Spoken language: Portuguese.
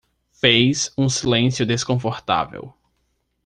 Fez um silêncio desconfortável.